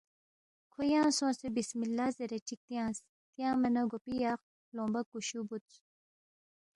کھو ینگ سونگسے بِسم اللّٰہ زیرے چِک تیانگس، تیانگما نہ گوپی یا لونگبا کُشُو بُودس